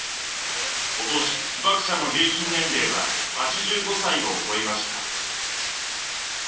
今年、被爆者の平均年齢は８５歳を超えました。